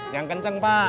yang kenceng pak